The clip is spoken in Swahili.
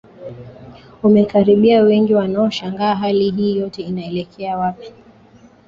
umekaribia Wengi wanaoshangaa Hali hii yote inaelekea wapi